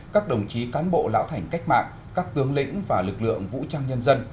các đồng chí cán bộ lão thành cách mạng các tướng lĩnh và lực lượng vũ trang nhân dân